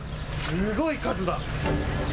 すごい数だ。